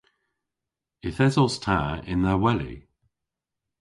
Yth esos ta yn dha weli.